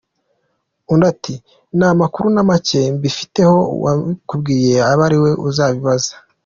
Undi ati “Nta makuru na make mbifiteho, uwabikubwiye abe ari we uzabibaza.